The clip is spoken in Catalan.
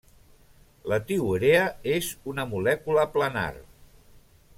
La tiourea és una molècula planar.